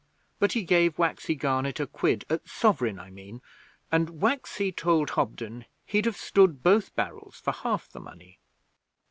But he gave Waxy Garnett a quid sovereign, I mean and Waxy told Hobden he'd have stood both barrels for half the money.'